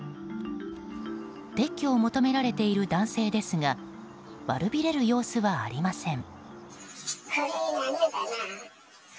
撤去を求められている男性ですが悪びれる様子はありません。